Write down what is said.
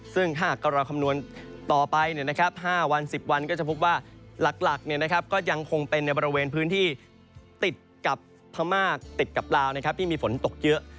ซึ่งถ้าหากเราคำนวณต่อไป๕วัน๑๐วันก็จะพบว่าหลักก็ยังคงเป็นในบริเวณพื้นที่ติดกับพม่าติดกับลาวที่มีฝนตกเยอะ